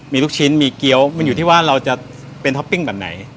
มีลูกชิ้นมีเกี้ยวมันอยู่ที่ว่าเราจะเป็นท็อปปิ้งแบบไหน